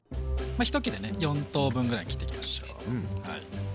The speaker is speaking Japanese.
一切れね４等分ぐらいに切っていきましょう。